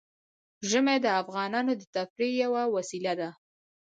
ژمی د افغانانو د تفریح یوه وسیله ده.